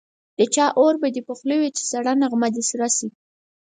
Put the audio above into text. د چا اور به دي په خوله وي چي سړه نغمه دي سره سي